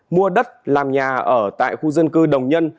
mua đất làm nhà ở tại khu dân cư đồng nhân